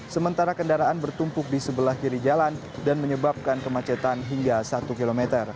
sementara kendaraan bertumpuk di sebelah kiri jalan dan menyebabkan kemacetan hingga satu km